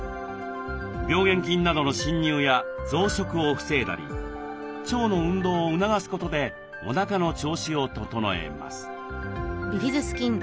病原菌などの侵入や増殖を防いだり腸の運動を促すことでおなかの調子を整えます。